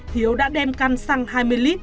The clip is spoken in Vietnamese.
hiếu đã đem căn xăng hai mươi lit